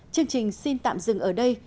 chương trình xin tạm dừng ở đây